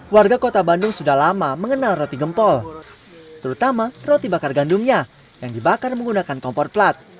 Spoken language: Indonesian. warga kota bandung sudah lama mengenal roti gempol terutama roti bakar gandumnya yang dibakar menggunakan kompor plat